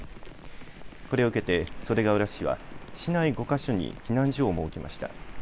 これを受けて袖ケ浦市は市内５か所に避難所を設けました。